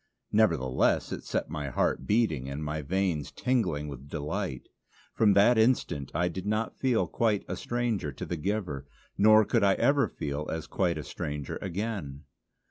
Nevertheless it set my heart beating and my veins tingling with delight. From that instant I did not feel quite a stranger to the giver; nor could I ever feel as quite a stranger again.